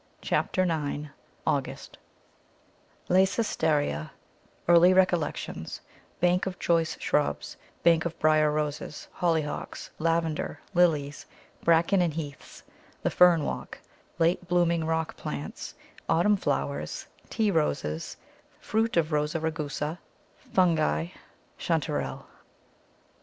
CHAPTER IX AUGUST Leycesteria Early recollections Bank of choice shrubs Bank of Briar Roses Hollyhocks Lavender Lilies Bracken and Heaths The Fern walk Late blooming rock plants Autumn flowers Tea Roses Fruit of Rosa rugosa Fungi Chantarelle.